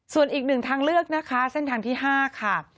ส่วนอีกหนึ่งทางเลือกนะคะเส้นทางที่๕ค่ะ